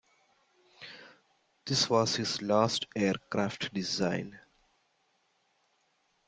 This was his last aircraft design.